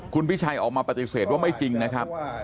คุณพิชัยออกมาปฏิเสธว่าไม่จริงนะครับ